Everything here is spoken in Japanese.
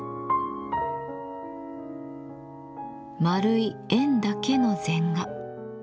まるい円だけの禅画。